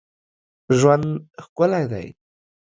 ژوند ښکلی دی